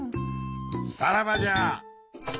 さらばじゃ！